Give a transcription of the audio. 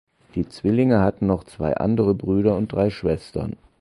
Die Zwillinge hatten noch zwei andere Brüder und drei Schwestern.